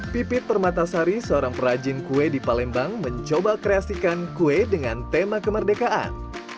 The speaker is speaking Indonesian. pipit permatasari seorang perajin kue di palembang mencoba kreasikan kue dengan tema kemerdekaan